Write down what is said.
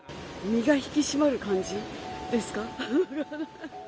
身が引き締まる感じですか。